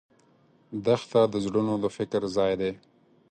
دښته د زړونو د فکر ځای دی.